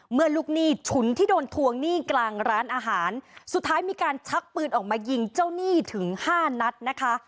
ลูกหนี้ฉุนที่โดนทวงหนี้กลางร้านอาหารสุดท้ายมีการชักปืนออกมายิงเจ้าหนี้ถึงห้านัดนะคะ